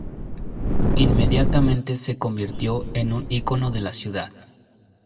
Inmediatamente se convirtió en un icono de la ciudad.